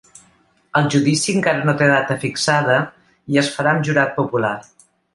El judici encara no té data fixada i es farà amb jurat popular.